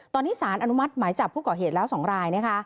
ตอนนี้สารอนุมัติหมายจับผู้เกราะเหตุแล้วสองราย